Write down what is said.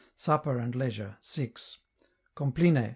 Supper and leisure. 6. Compline.